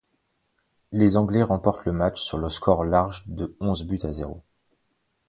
Les Anglais remportent le match sur le score large de onze buts à zéro.